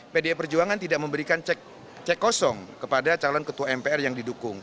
pdi perjuangan tidak memberikan cek kosong kepada calon ketua mpr yang didukung